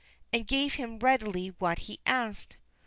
and gave him readily what he asked.